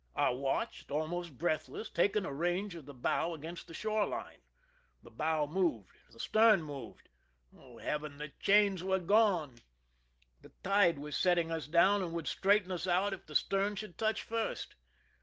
I watched, almost breathless, taking a range of the bow against the shore line. The bow moved, the stern moved— oh, heaven ! the chains were gone ! The tide was setting us down and would straighten us out if the stern should touch first.